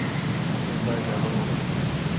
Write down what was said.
কোথায় গেল ও?